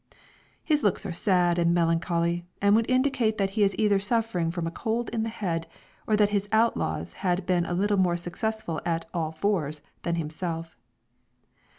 His looks are sad and melancholy, and would indicate that he is either suffering from a cold in the head, or that his outlaws had been a little more successful at "all fours" than himself.